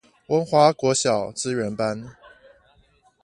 文華國小資源班